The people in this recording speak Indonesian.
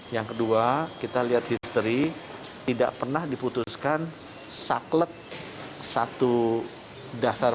yang kedua kita lihat histori tidak pernah diputuskan saklek satu dasar